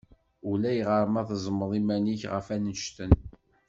Ulayɣer ma tezzmeḍ iman-ik ɣef annect-en.